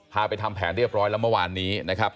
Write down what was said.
ไปทำแผนเรียบร้อยแล้วเมื่อวานนี้นะครับ